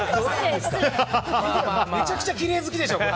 めちゃくちゃきれい好きでしょ。